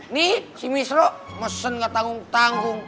nih si misro mesen gak tanggung tanggung